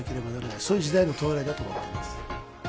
そういう時代の到来だと思っています。